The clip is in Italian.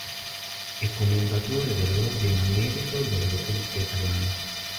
È Commendatore dell'Ordine al merito della Repubblica Italiana.